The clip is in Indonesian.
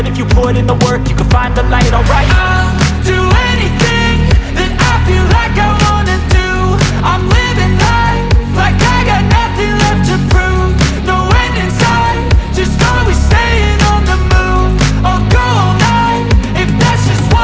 nunik ingin dua ekor kerbau bu